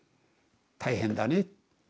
「大変だね」